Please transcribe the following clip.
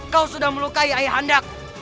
kau sudah melukai ayah anda